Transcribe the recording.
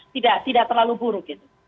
tidak terlalu buruk gitu